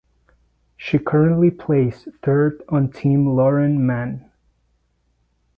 She currently plays third on Team Lauren Mann.